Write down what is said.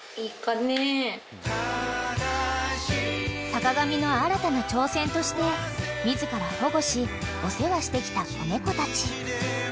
［坂上の新たな挑戦として自ら保護しお世話してきた子猫たち］